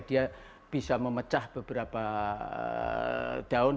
jadi dia bisa memecah beberapa daun